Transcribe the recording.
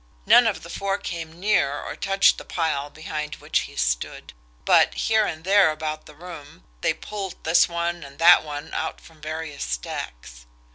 None of the four came near or touched the pile behind which he stood; but, here and there about the room, they pulled this one and that one out from various stacks.